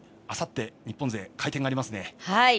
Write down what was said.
あさって日本勢回転がありますね。